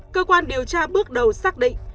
cơ quan điều tra bước đầu xác định